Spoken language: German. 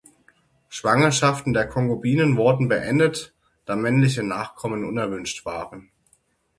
Schwangerschaften der Konkubinen wurden beendet, da männliche Nachkommen unerwünscht waren.